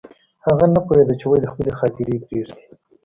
هغه نه پوهېده چې ولې خپلې خاطرې پرېږدي